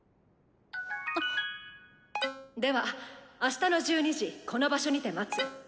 「ではあしたの１２時この場所にて待つ。